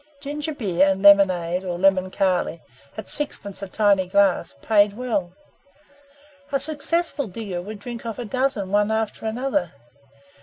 Ginger beer and lemonade, or lemon kali, at sixpence a tiny glass, paid well. A successful digger would drink off a dozen one after another.